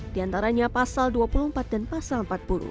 di antaranya pasal dua puluh empat dan pasal empat puluh